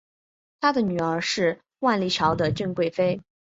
他的女儿是万历朝的郑贵妃。